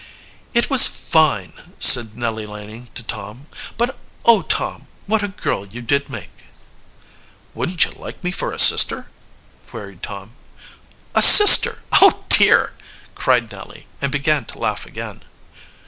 "It was fine!" said Nellie Laning to Tom. "But, oh, Tom, what a girl you did make!" "Wouldn't you like me for a sister?" queried Tom. "A sister! Oh, dear!" cried Nellie, and began to laugh again.